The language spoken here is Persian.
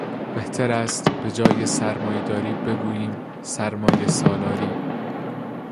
بهتر است به جای سرمایهداری بگوییم سرمایهسالاری